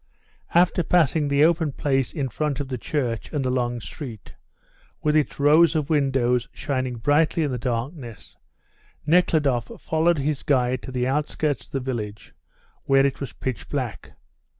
After passing the open place in front of the church and the long street, with its rows of windows shining brightly in the darkness, Nekhludoff followed his guide to the outskirts of the village, where it was pitch dark.